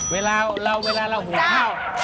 เวลาเราหุ่นข้าว